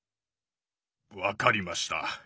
分かりました。